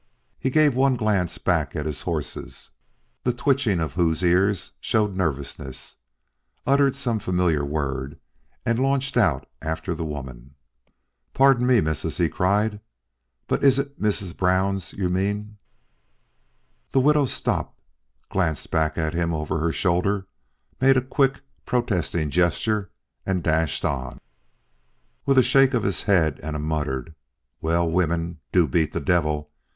He gave one glance back at his horses, the twitching of whose ears showed nervousness, uttered some familiar word and launched out after the woman. "Pardon me, missus," he cried, "but is it Miss Brown's you mean?" The widow stopped, glanced back at him over her shoulder, made a quick, protesting gesture and dashed on. With a shake of his head and a muttered, "Well, women do beat the devil!"